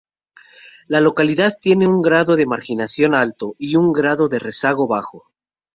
La localidad tiene un grado de marginación alto y un grado de rezago bajo.